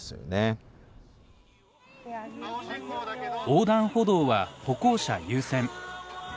横断歩道は歩行者優先。